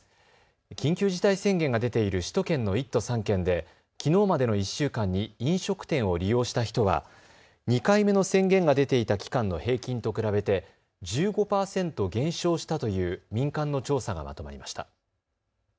緊急事態宣言が出ている首都圏の１都３県で、きのうまでの１週間に飲食店を利用した人は２回目の宣言が出ていた期間の平均と比べて１５％減少したという民間の調査がまとまりました。